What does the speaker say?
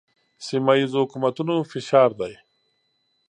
سیمه ییزو حکومتونو فشار دی.